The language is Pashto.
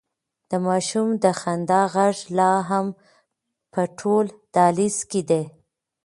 د ماشوم د خندا غږ لا هم په ټول دهلېز کې دی.